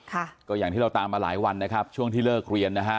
ค่ะก็อย่างที่เราตามมาหลายวันนะครับช่วงที่เลิกเรียนนะฮะ